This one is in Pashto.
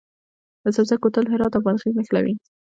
د سبزک کوتل هرات او بادغیس نښلوي